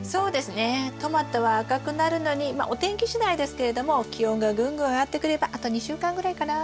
トマトは赤くなるのにまあお天気しだいですけれども気温がぐんぐん上がってくればあと２週間ぐらいかな。